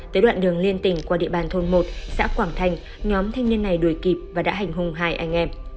tới đoạn đường liên tỉnh qua địa bàn thôn một xã quảng thành nhóm thanh niên này đuổi kịp và đã hành hung hai anh em